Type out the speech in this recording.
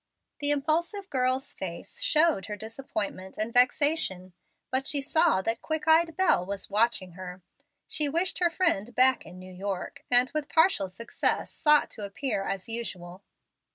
The impulsive girl's face showed her disappointment and vexation, but she saw that quick eyed Bel was watching her. She wished her friend back in New York; and, with partial success, sought to appear as usual.